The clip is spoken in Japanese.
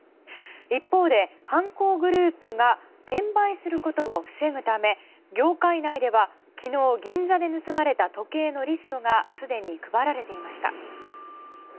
一方で犯行グループが転売することを防ぐため業界内では昨日、銀座で盗まれた時計のリストがすでに配られていました。